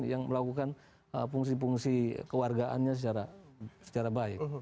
yang melakukan fungsi fungsi kewargaannya secara baik